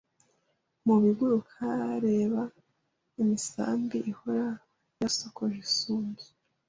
Mu biguruka, reba imisambi ihora yasokoje isunzu